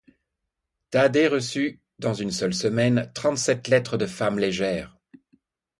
Thaddée reçut dans une seule semaine trente-sept lettres de femmes légères.